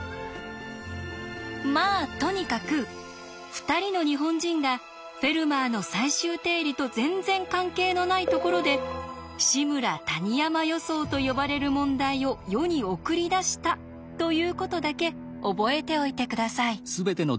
まあとにかく２人の日本人が「フェルマーの最終定理」と全然関係のないところで「志村−谷山予想」と呼ばれる問題を世に送り出したということだけ覚えておいて下さい。